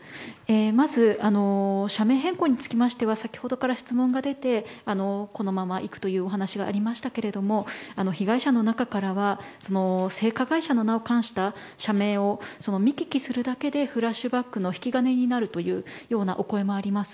まず、社名変更につきましては先ほどから質問が出てこのままいくというお話がありましたが被害者の中からは性加害者の名を冠した社名を見聞きするだけでフラッシュバックの引き金になるというようなお声もあります。